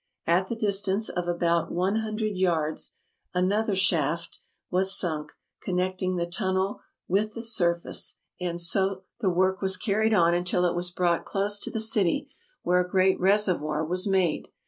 At the distance of about one hundred yards another shaft was sunk, connecting the tunnel with the surface; and so 270 TRAVELERS AND EXPLORERS the work was carried on until it was brought close to the city, where a great reservoir was made.